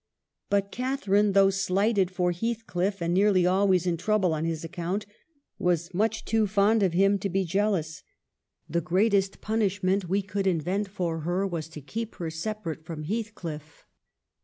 But Catharine, though slighted for Heathcliff, and nearly always in trouble on his account, was much too fond of him to be jealous. " The greatest punishment we could invent for her was to keep her separate from Heathcliff.